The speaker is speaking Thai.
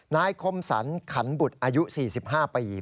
คมสรรขันบุตรอายุ๔๕ปี